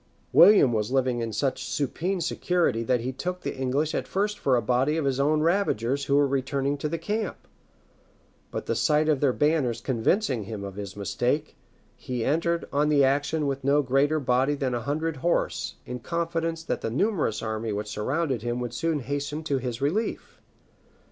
William was living in such supine security that he took the English at first for a body of his own ravagers who were returning to the camp; but the sight of their banners convincing him of his mistake, he entered on the action with no greater body than a hundred horse, in confidence that the numerous army which surrounded him would soon hasten to his relief.